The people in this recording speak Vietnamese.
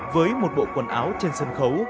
với một bộ quần áo trên sân khấu